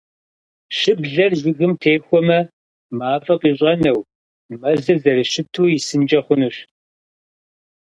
Щыблэр жыгым техуэмэ, мафӀэ къыщӏэнэу, мэзыр зэрыщыту исынкӏэ хъунущ.